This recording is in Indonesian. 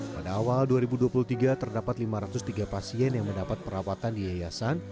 pada awal dua ribu dua puluh tiga terdapat lima ratus tiga pasien yang mendapat perawatan di yayasan